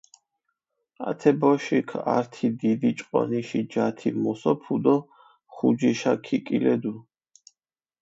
ათე ბოშიქ ართი დიდი ჭყონიში ჯათი მოსოფუ დო ხუჯიშა ქიკილედუ.